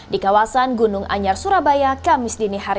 di kawasan gunung anyar surabaya